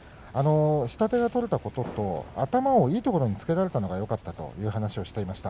下手が取れたことと頭をいいところにつけられたのがよかったという話をしていました。